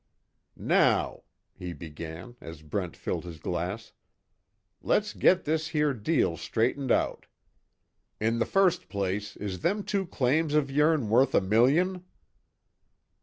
"Now," he began, as Brent filled his glass, "Let's get this here deal straightened out. In the first place, is them two claims of yourn worth a million?"